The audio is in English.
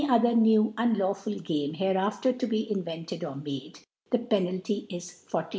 other new unUwful Game hereaf* tento be invented or^made : the Peoaliy is 40 i.